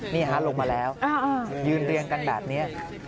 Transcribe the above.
นี่ฮะลงมาแล้วยืนเรียงกันแบบนี้